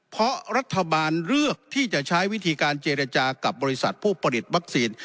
เพราะรัฐบาลเลือกที่จะใช้วิธีการเจรจากับบริษัทผู้ผลิตวัคซีน